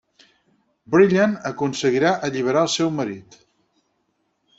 Brillant, aconseguirà alliberar el seu marit.